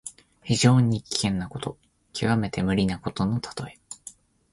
非常に危険なこと、きわめて無理なことのたとえ。